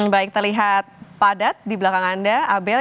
baik terlihat padat di belakang anda abel